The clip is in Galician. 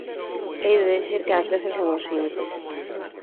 Hei de dicir que ás veces non o sinto